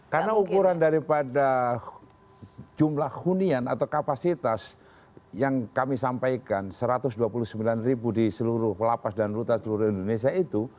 karena ukuran daripada jumlah hunian atau kapasitas yang kami sampaikan satu ratus dua puluh sembilan di seluruh pelapas dan luta seluruh indonesia itu